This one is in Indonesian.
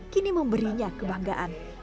kini memberinya kebanggaan